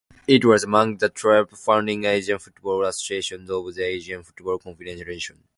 It was among the twelve founding Asian football associations of the Asian Football Confederation.